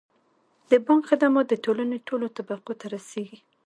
د بانک خدمات د ټولنې ټولو طبقو ته رسیږي.